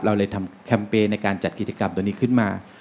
เราเลยทำแคมเปญในการจัดกิจกรรมตัวนี้ขึ้นมา